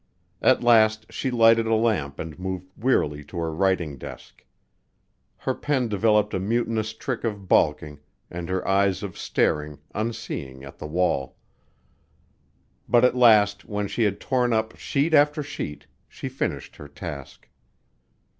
At last she lighted a lamp and moved wearily to her writing desk. Her pen developed a mutinous trick of balking, and her eyes of staring, unseeing, at the wall. But at last when she had torn up sheet after sheet, she finished her task.